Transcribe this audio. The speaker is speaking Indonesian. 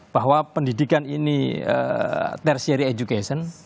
bahwa pendidikan ini tersiary education